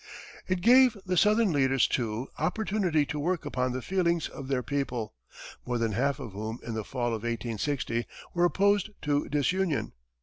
It gave the southern leaders, too, opportunity to work upon the feelings of their people, more than half of whom, in the fall of 1860, were opposed to disunion.